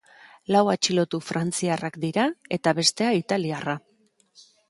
Lau atxilotu frantziarrak dira eta bestea italiarra.